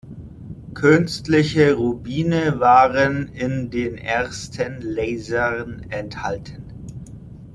Künstliche Rubine waren in den ersten Lasern enthalten.